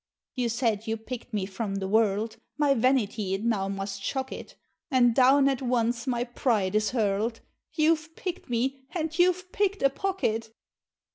You said you pick'd me from the world, My vanity it now must shock it And down at once my pride is hurled, You've pick'd me and you've pick'd a pocket!